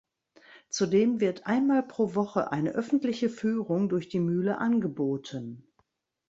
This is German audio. Zudem wird einmal pro Woche eine öffentliche Führung durch die Mühle angeboten.